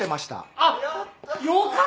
あっ！